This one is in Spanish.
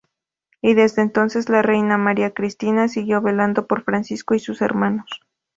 Y desde entonces, la reina María Cristina siguió velando por Francisco y sus hermanos.